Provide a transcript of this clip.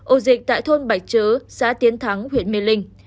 ổ dịch tại thôn bạch chớ xã tiến thắng huyện mê linh